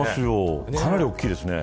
かなり大きいですね。